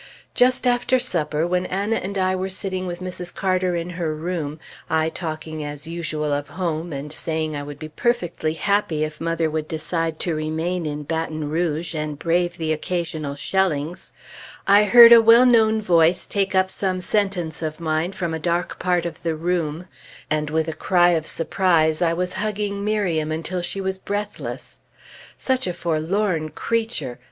Just after supper, when Anna and I were sitting with Mrs. Carter in her room, I talking as usual of home, and saying I would be perfectly happy if mother would decide to remain in Baton Rouge and brave the occasional shellings, I heard a well known voice take up some sentence of mine from a dark part of the room, and with a cry of surprise, I was hugging Miriam until she was breathless. Such a forlorn creature!